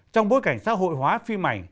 trong bối cảnh xã hội hóa phim ảnh